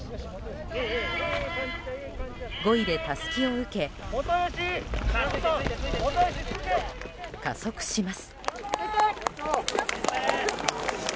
５位でたすきを受け加速します。